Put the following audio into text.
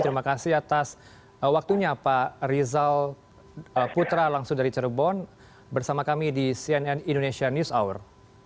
terima kasih atas waktunya pak rizal putra langsung dari cirebon bersama kami di cnn indonesia news hour